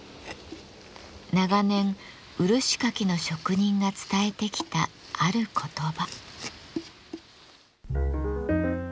長年漆かきの職人が伝えてきたある言葉。